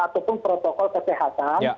ataupun protokol kesehatan